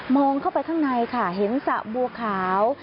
เข้าไปข้างในค่ะเห็นสระบัวขาว